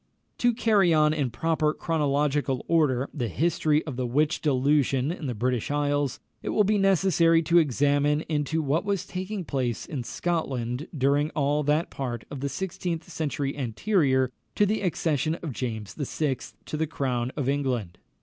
To carry on in proper chronological order the history of the witch delusion in the British isles, it will be necessary to examine into what was taking place in Scotland during all that part of the sixteenth century anterior to the accession of James VI. to the crown of England.